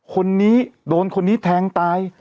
คนนี้โดนคนนี้แทงตาย